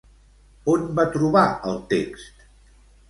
On van trobar el text?